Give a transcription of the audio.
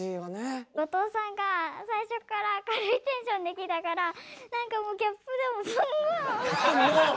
後藤さんが最初っから明るいテンションできたからなんかもうギャップでもうすんごい。